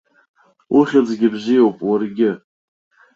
Ухьӡгьы бзиоуп уаргьы!